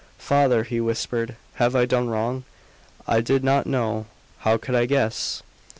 "Father," he whispered, "have I done wrong? I did not know how could I guess?"